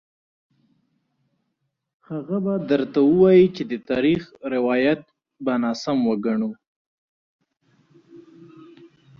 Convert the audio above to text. هغه به درته ووايي چې د تاریخ روایت به ناسم وګڼو.